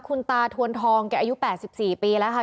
คุณตาทวนทองแกอายุ๘๔ปีแล้วค่ะ